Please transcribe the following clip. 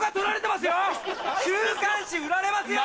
週刊誌売られますよ！